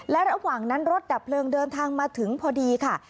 และระหว่างนั้นรถดับเพลิงเดินทางมาถึงพอดีค่ะ